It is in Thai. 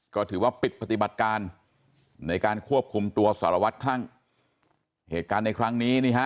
ก็ถือว่าปิดปฏิบัติการในการควบคุมตัวสารวัตรคลั่งเหตุการณ์ในครั้งนี้นี่ฮะ